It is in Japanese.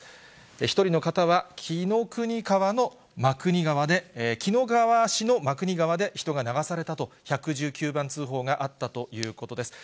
１人の方は紀の川市の真国川で、１１９番通報があったということです。